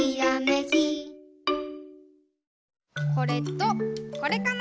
これとこれかな？